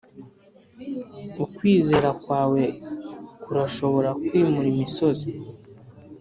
ukwizera kwawe kurashobora kwimura imisozi